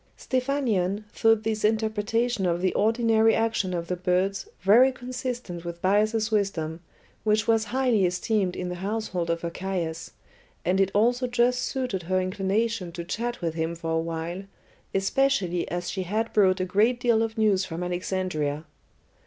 Stephanion thought this interpretation of the ordinary action of the birds very consistent with Bias's wisdom, which was highly esteemed in the household of Archias, and it also just suited her inclination to chat with him for a while, especially as she had brought a great deal of news from Alexandria.